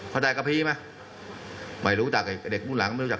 เข้าใดกะพรีไหมไม่รู้จักเด็กมุ่งหลังไม่รู้จัก